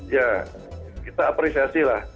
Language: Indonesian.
ya kita apresiasi lah